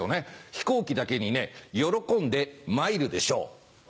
飛行機だけにね喜んでマイルでしょう。